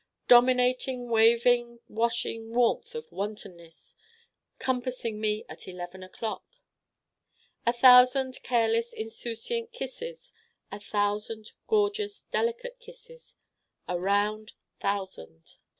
Dominating waving washing warmth of Wantonness, compassing me at eleven o'clock. A Thousand careless insouciant Kisses: a Thousand gorgeous delicate Kisses: a round Thousand.